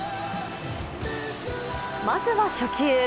まずは初球。